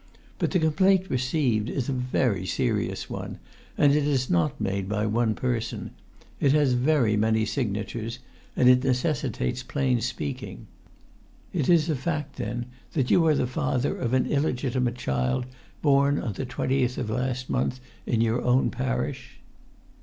But the complaint received is a very serious one, and it is not made by one person; it has very many signatures; and it necessitates plain speaking. It is a fact, then, that you are the father of an illegitimate child born on the twentieth of last month in your own parish?"